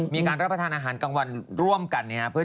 มีการรับประทานอาหารกลางวันร่วมกันนะครับ